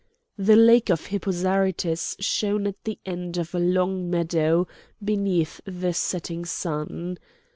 The lake of Hippo Zarytus shone at the end of a long meadow beneath the setting sun.